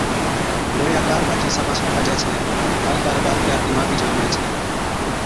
لوئِيا ڪاربا چي حِصابا سُون ٺاهجَي ڇَي۔ هر ڪارب آپڪِي آپڪِي ماپِي چا هُوَي ڇَي۔